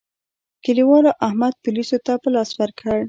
کلیوالو احمد پوليسو ته په لاس ورکړ.